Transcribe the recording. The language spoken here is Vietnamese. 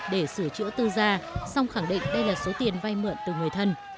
để sửa chữa tư gia xong khẳng định đây là số tiền vay mượn từ người thân